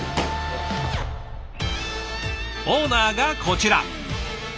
オーナーがこちら。